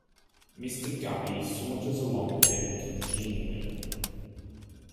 Mr. Guppy saunters along with it congenially.